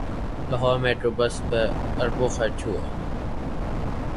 Lahore metro bus پر ارب خرچ ہوئے